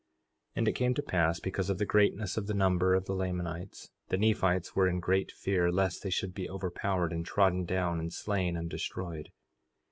4:20 And it came to pass, because of the greatness of the number of the Lamanites the Nephites were in great fear, lest they should be overpowered, and trodden down, and slain, and destroyed.